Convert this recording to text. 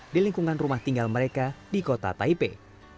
di lingkungan rumah tinggal mereka di kota taipei